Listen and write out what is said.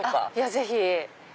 ぜひ。